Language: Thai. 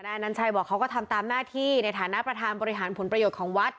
อนัญชัยบอกเขาก็ทำตามหน้าที่ในฐานะประธานบริหารผลประโยชน์ของวัด